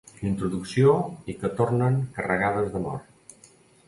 Introducció i que tornen carregades d'amor.